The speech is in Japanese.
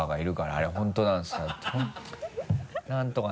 「あれ本当なんですか？」